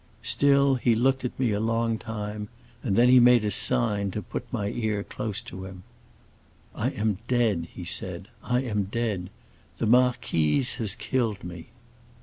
Still he looked at me a long time, and then he made me a sign to put my ear close to him: 'I am dead,' he said, 'I am dead. The marquise has killed me.